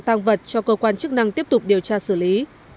tăng vật cho cơ quan chức năng tiếp tục điều tra xử lý